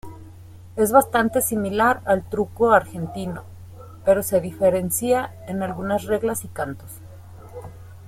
Es bastante similar al Truco argentino, pero se diferencia en algunas reglas y cantos.